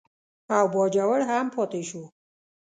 او باجوړ هم پاتې شو.